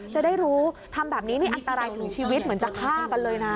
จะได้รู้ทำแบบนี้นี่อันตรายถึงชีวิตเหมือนจะฆ่ากันเลยนะ